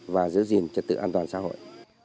và giữ gìn trật tự an toàn xã hội